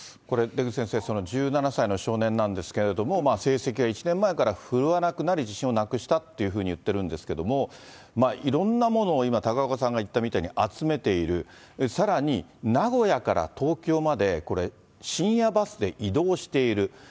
これ、出口先生、この１７歳の少年なんですけれども、成績は１年前から振るわなくなり、自信をなくしたっていうふうにいってるんですけれども、いろんなものを、今、高岡さんが言ったみたいに集めている、さらに名古屋から東京まで、これ、深夜バスで移動している。